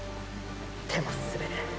手も滑る。